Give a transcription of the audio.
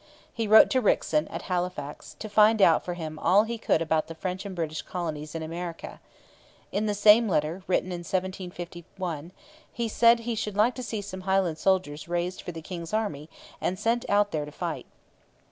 He wrote to Rickson at Halifax, to find out for him all he could about the French and British colonies in America. In the same letter, written in 1751, he said he should like to see some Highland soldiers raised for the king's army and sent out there to fight.